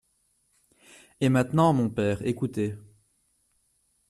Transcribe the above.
Et maintenant, mon père, écoutez…